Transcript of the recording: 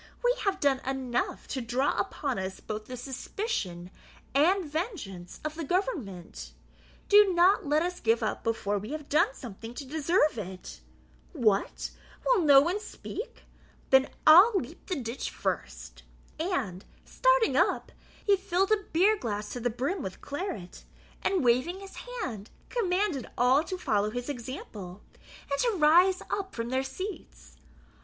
We have done enough to draw upon us both the suspicion and vengeance of the government; do not let us give up before we have done something to deserve it. What, will no one speak? Then I'll leap the ditch the first." And, starting up, he filled a beer glass to the brim with claret, and waving his hand, commanded all to follow his example, and to rise up from their seats.